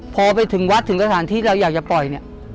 พอไปถึงวัดถึงสถานที่เราอยากจะปล่อยเนี่ย